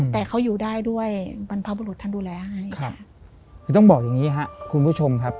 แต่เขาอยู่ได้ด้วยบรรพบุรุษท่านดูแลให้